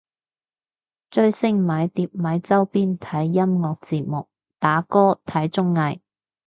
追星買碟買周邊睇音樂節目打歌睇綜藝